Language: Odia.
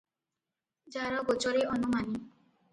ଯାର ଗୋଚରେ ଅନୁମାନି ।